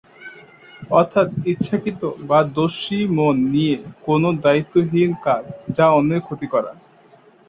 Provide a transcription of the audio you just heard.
অর্থাৎ ইচ্ছাকৃত বা দোষীমন নিয়ে কোনো দায়িত্বহীন কাজ যা অন্যের ক্ষতি করা।